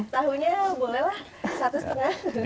tahunya bolehlah satu setengah